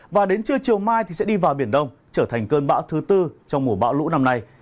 và đến trưa chiều mai thì sẽ đi vào biển đông trở thành cơn bão thứ tư trong mùa bão lũ năm nay